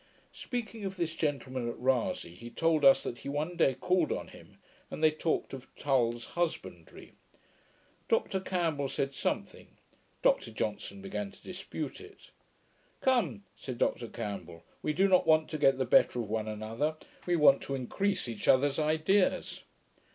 Speaking of this gentleman, at Rasay, he told us, that he one day called on him, and they talked of Tull's Husbandry. Dr Campbell said something. Dr Johnson began to dispute it. 'Come,' said Dr Campbell, 'we do not want to get the better of one another: we want to encrease each other's ideas.'